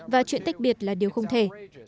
và chuyện tách biệt là điều không thể